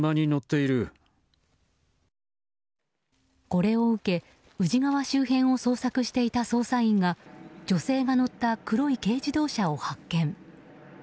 これを受け、宇治川周辺を捜索していた捜査員が女性が乗った黒い軽自動車を発見。